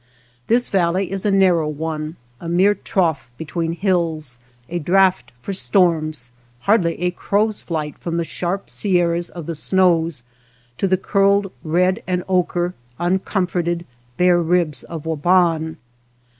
This valley is a narrow one, a mere trough between hills, a draught for storms, hardly a crow's flight from the sharp Sierras of the Snows to the curled, red and ochre, uncomforted, bare ribs of Waban.